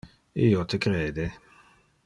Io te crede.